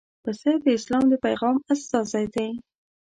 پسه د اسلام د پیغام استازی دی.